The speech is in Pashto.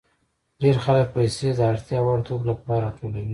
ډېر خلک پیسې د اړتیا وړ توکو لپاره راټولوي